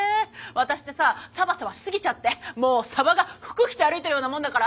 私ってさサバサバしすぎちゃってもうサバが服着て歩いてるようなもんだから。